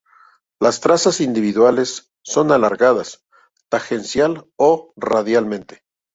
Las trazas individuales son alargadas tangencial o radialmente.